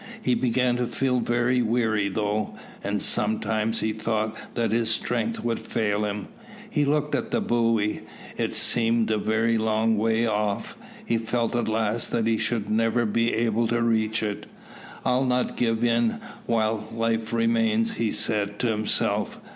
He began to feel very weary though, and sometimes he thought that his strength would fail him. He looked at the buoy; it seemed a very long way off. He felt at last that he should never be able to reach it. "I'll not give in while life remains," he said to himself.